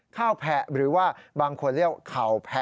ข้าวแภหรือว่าบางคนเรียกว่าเขาแผ่